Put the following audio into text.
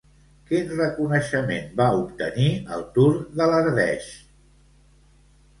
Quin reconeixement va obtenir al Tour de l'Ardèche?